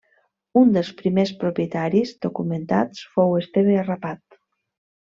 Un dels primers propietaris documentats fou Esteve Arrapat.